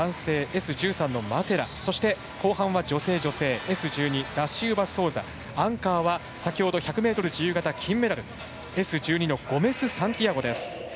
Ｓ１３のマテラ後半は女性、女性Ｓ１２、ダシウバソウザアンカーは先ほど１００ｍ自由形金メダルＳ１２のサンティアゴです。